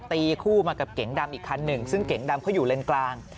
ตีคู่มากับเก๋งดำอีกคันหนึ่งซึ่งเก๋งดำเขาอยู่เลนกลาง